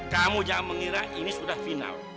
kamu jangan mengira ini sudah final